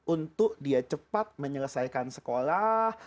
untuk dia cepat menyelesaikan sekolah